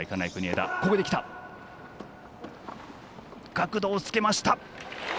角度をつけました！